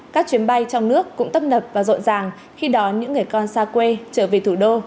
các chuyến bay trong nước cũng tấp nập và rộn ràng khi đón những người con xa quê trở về thủ đô